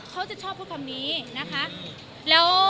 เขาจะชอบพูดคำนี้นะคะ